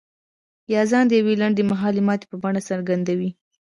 يا ځان د يوې لنډ مهالې ماتې په بڼه څرګندوي.